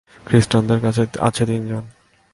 খ্রিস্টানদের আছে তিনজন।